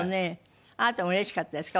あなたもうれしかったですか？